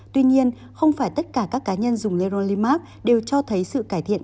tuy nhiên không phải tất cả các cá nhân dùng erolimax đều cho thấy sự cải thiện